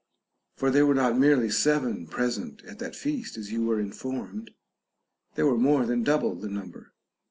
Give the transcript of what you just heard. For there were not merely seven present at that feast, as you were informed ; there were more than double the number.